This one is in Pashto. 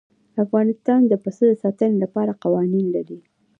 افغانستان د پسه د ساتنې لپاره قوانین لري.